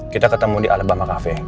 kita ketemu di al bahma cafe